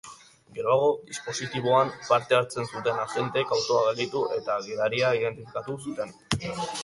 Geroago, dispositiboan parte hartzen zuten agenteek autoa gelditu eta gidaria identifikatu zuten.